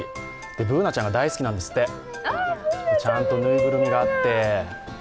Ｂｏｏｎａちゃんが大好きなんですってちゃんとぬいぐるみがあって。